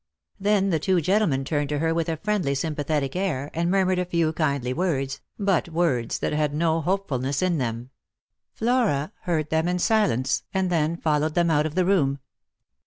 Then the two gentlemen turned to her with a friendly sympa thetic air, and murmured a few kindly words, but words that had no hopefulness in them. Flora heard them in silence, and then followed them out of the room.